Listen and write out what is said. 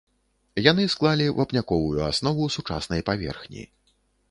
Яны склалі вапняковую аснову сучаснай паверхні.